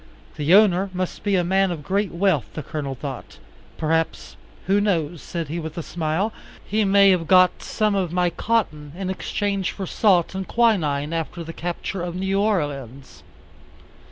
The owner must be a man of great wealth, the Colonel thought; perhaps, who knows, said he with a smile, he may have got some of my cotton in exchange for salt and quinine after the capture of New Orleans.